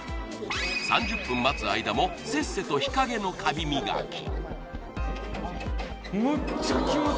３０分待つ間もせっせと日陰のカビ磨き